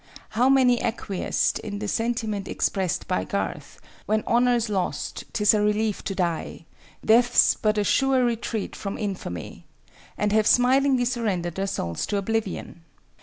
How many acquiesced in the sentiment expressed by Garth, "When honor's lost, 'tis a relief to die; Death's but a sure retreat from infamy," and have smilingly surrendered their souls to oblivion!